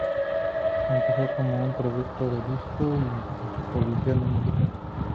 Empezó como un productor de discos y supervisor de música.